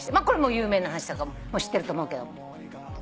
これはもう有名な話だから知ってると思うけど。